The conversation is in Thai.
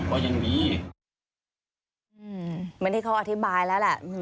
เพราะอย่างงี้เหมือนที่เขาอธิบายแล้วแหละ